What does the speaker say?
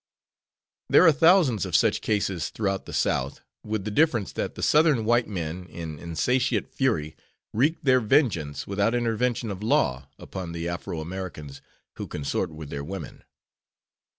There are thousands of such cases throughout the South, with the difference that the Southern white men in insatiate fury wreak their vengeance without intervention of law upon the Afro Americans who consort with their women.